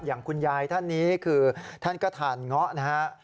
อย่างคุณยายท่านนี้คือท่านก็ทานเงาะนะฮะ